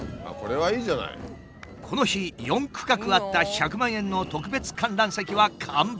この日４区画あった１００万円の特別観覧席は完売。